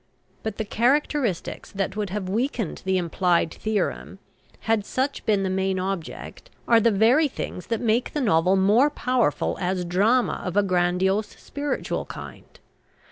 But the characteristics that would have weakened the implied theorem, had such been the main object, are the very things that make the novel more powerful as drama of a grandiose, spiritual kind.